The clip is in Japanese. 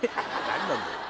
何なんだよ